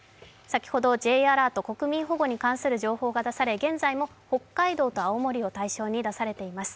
先ほどＪアラート、国民保護に関する情報が出され現在も北海道と青森を対象に出されています。